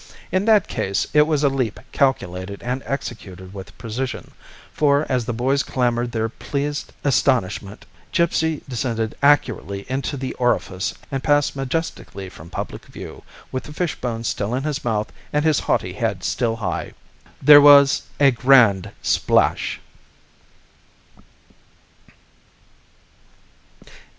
In that case, it was a leap calculated and executed with precision, for as the boys clamoured their pleased astonishment, Gipsy descended accurately into the orifice and passed majestically from public view, with the fishbone still in his mouth and his haughty head still high. There was a grand splash!